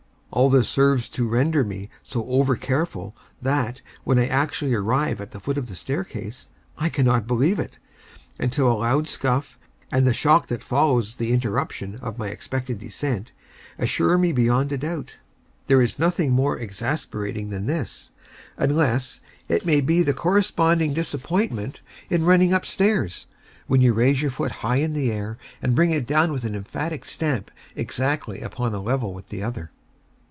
All this only serves to render me so over careful, that, when I actually arrive at the foot of the staircase, I cannot believe it, until a loud scuff, and the shock that follows the interruption of my expected descent, assure me beyond a doubt. There is nothing more exasperating than this, unless it may be the corresponding disappointment in running up stairs, when you raise your foot high in air, and bring it down with an emphatic stamp exactly upon a level with the other.